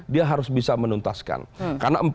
dia harus bisa menuntaskan karena